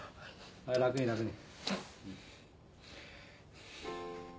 はい楽に楽に。